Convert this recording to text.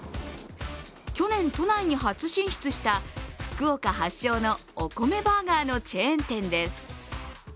去年都内に初進出した福岡発祥のお米バーガーのチェーン店です。